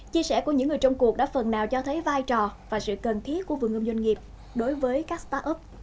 chia sẻ của những người trong cuộc đã phần nào cho thấy vai trò và sự cần thiết của vườn ươm doanh nghiệp đối với các start up